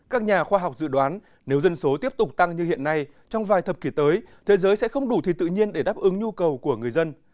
các nhà khoa học dự đoán nếu dân số tiếp tục tăng như hiện nay trong vài thập kỷ tới thế giới sẽ không đủ thịt tự nhiên để đáp ứng nhu cầu của người dân